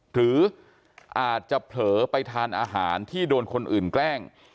หรืออาจจะเผลอไปทานอาหารที่โดนคนอื่นแกล้ง